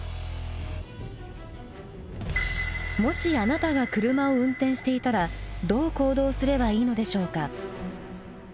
もしあなたが車を運転していたらどう行動すればいいのでしょうか？